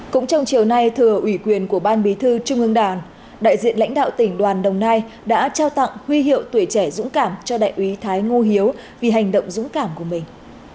cũng trong chiều nay thừa ủy quyền của ban bí thư trung ương đảng đại diện lãnh đạo tỉnh đoàn đồng nai đã trao tặng huy hiệu tuổi trẻ dũng cảm cho đại úy thái ngô hiếu vì hành động dũng cảm của mình